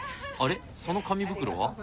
あれその紙袋は？